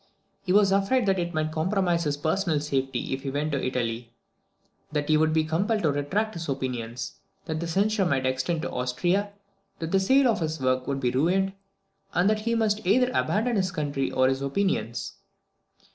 He was afraid that it might compromise his personal safety if he went to Italy; that he would be compelled to retract his opinions; that the censure might extend to Austria; that the sale of his work would be ruined; and that he must either abandon his country or his opinions.